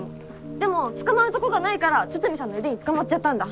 でもつかまるとこがないから筒見さんの腕につかまっちゃったんだ。